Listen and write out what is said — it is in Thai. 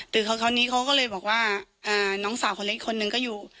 แต่คราวนี้เขาก็เลยบอกว่าน้องสาวคนเล็กคนหนึ่งก็อยู่